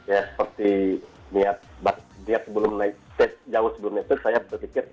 ya seperti niat bahkan niat sebelum naik jauh sebelum naik itu saya berpikir